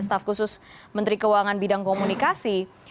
staf khusus menteri keuangan bidang komunikasi